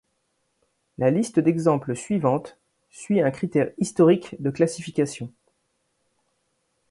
La liste d'exemples suivante suit un critère historique de classification.